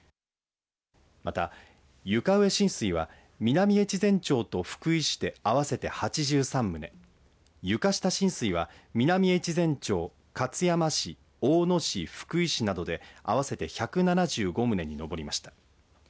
また床上浸水は南越前町と福井市で合わせて８３棟、床下浸水は南越前町、勝山市、大野市、福井市などで合わせて１７５棟に上りました。